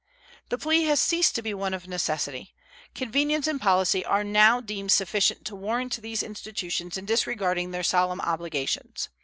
The plea has ceased to be one of necessity. Convenience and policy are now deemed sufficient to warrant these institutions in disregarding their solemn obligations.